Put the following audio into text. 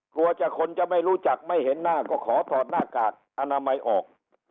คนจะไม่รู้จักไม่เห็นหน้าก็ขอถอดหน้ากากอนามัยออก